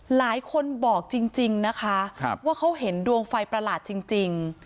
หลายคนบอกจริงจริงนะคะครับว่าเขาเห็นดวงไฟประหลาดจริงจริง